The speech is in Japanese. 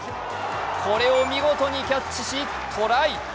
これを見事にキャッチし、トライ。